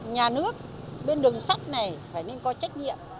nhà nước bên đường sắt này phải nên có trách nhiệm